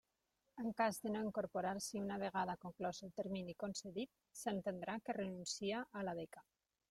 En cas de no incorporar-s'hi una vegada conclòs el termini concedit, s'entendrà que renuncia a la beca.